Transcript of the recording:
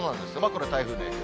これ、台風の影響。